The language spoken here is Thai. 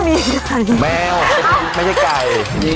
ไม่ค่อยแมวไม่ใช่ไก่